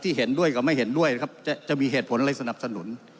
เห็นด้วยกับไม่เห็นด้วยนะครับจะมีเหตุผลอะไรสนับสนุน